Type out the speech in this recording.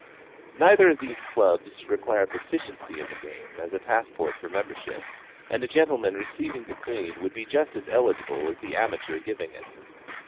Neither of these clubs require proficiency in the game as a passport for membership; and a gentleman receiving the Queen would be just as eligible as the amateur giving it.